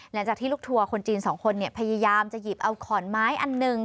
หลังจากที่ลูกทัวร์คนจีนสองคนเนี่ยพยายามจะหยิบเอาขอนไม้อันหนึ่ง